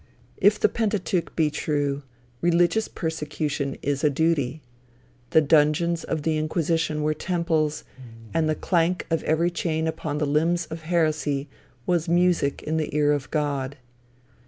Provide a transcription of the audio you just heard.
If the Pentateuch be true, religious persecution is a duty. The dungeons of the Inquisition were temples, and the clank of every chain upon the limbs of heresy was music in the ear of God.